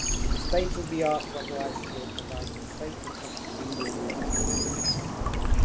The state-of-the-art rubberized floor provides a safe and comfortable indoor walking experience.